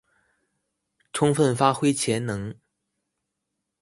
充分發揮潛能